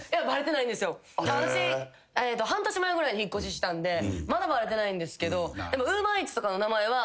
私半年前ぐらいに引っ越したんでまだバレてないんですけど。